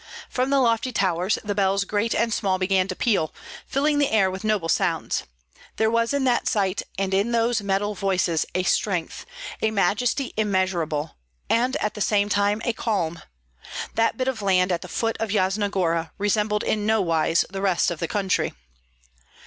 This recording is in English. From the lofty towers the bells great and small began to peal, filling the air with noble sounds. There was in that sight and in those metal voices a strength, a majesty immeasurable, and at the same time a calm. That bit of land at the foot of Yasna Gora resembled in no wise the rest of the country.